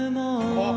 あっ。